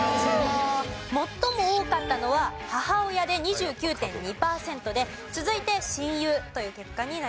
最も多かったのは母親で２９．２パーセントで続いて親友という結果になりました。